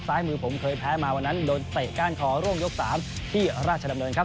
มือผมเคยแพ้มาวันนั้นโดนเตะก้านคอร่วงยก๓ที่ราชดำเนินครับ